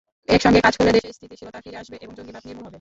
একসঙ্গে কাজ করলে দেশে স্থিতিশীলতা ফিরে আসবে এবং জঙ্গিবাদ নির্মূল হবে।